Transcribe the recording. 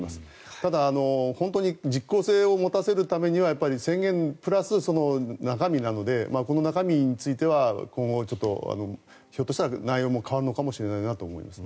ただ、本当に実効性を持たせるためには宣言プラスその中身なのでその中身については今後、ひょっとしたら内容も変わるのかもしれないなと思います。